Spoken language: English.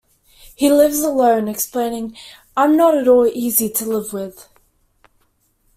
He lives alone, explaining: I'm not at all easy to live with.